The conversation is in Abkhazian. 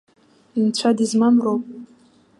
Нцәа дызмам роуп.